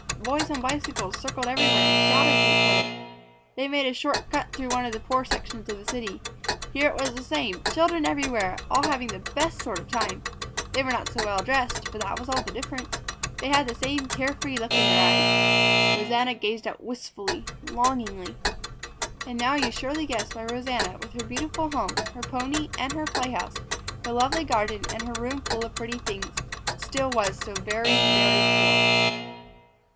Boys on bicycles circled everywhere and shouted to each other. They made a short cut through one of the poor sections of the city. Here it was the same: children everywhere, all having the best sort of time. They were not so well dressed, that was all the difference. They had the same carefree look in their eyes. Rosanna gazed out wistfully, longingly. And now you surely guess why Rosanna, with her beautiful home, her pony and her playhouse, her lovely garden, and her room full of pretty things, still was so very, very poor.